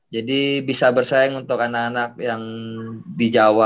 jadi bisa bersaing untuk anak anak yang di jawa